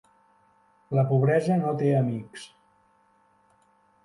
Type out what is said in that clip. La pobresa no te amics